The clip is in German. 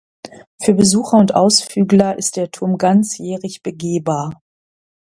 Für Besucher und Ausflügler ist der Turm ganzjährig begehbar.